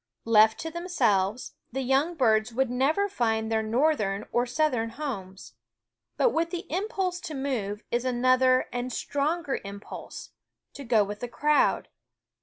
Left to themselves, the young birds would never find their northern or southern homes; but with the impulse to move is another and stronger impulse, to go with the crowd.